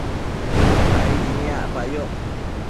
aidi niacpayoc